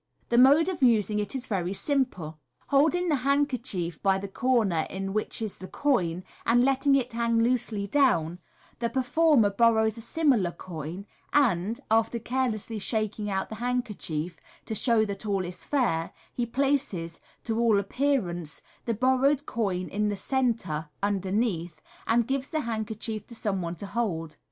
The mode of using it is very simple. Holding the handkerchief by the corner in which is the coin, and letting it hang loosely down, the performer borrows a similar coin, and, after carelessly shaking out the handker chief, to show that all is fair, he places, to all appearance, the bor rowed coin in the centre (underneath), and gives the handkerchief to gome one to hold.